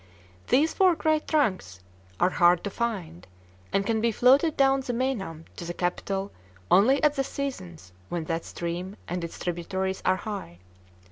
These four great trunks are hard to find, and can be floated down the Meinam to the capital only at the seasons when that stream and its tributaries are high.